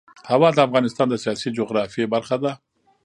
هوا د افغانستان د سیاسي جغرافیه برخه ده.